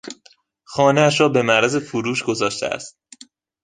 خانهاش را به معرض فروش گذاشته است.